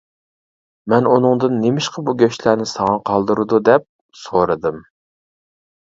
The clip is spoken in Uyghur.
مەن ئۇنىڭدىن نېمىشقا بۇ گۆشلەرنى ساڭا قالدۇرىدۇ دەپ سورىدىم.